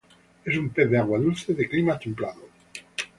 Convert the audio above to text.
Es un pez de agua dulce, de clima templado.